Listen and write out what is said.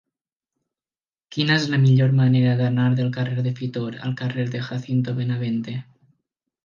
Quina és la millor manera d'anar del carrer de Fitor al carrer de Jacinto Benavente?